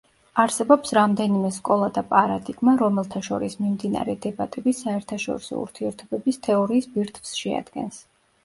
არსებობს რამდენიმე სკოლა და პარადიგმა, რომელთა შორის მიმდინარე დებატები საერთაშორისო ურთიერთობების თეორიის ბირთვს შეადგენს.